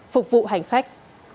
phục vụ hành khách